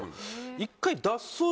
１回。